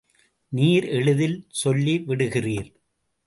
நீர் எளிதில் சொல்லி விடுகிறீர்.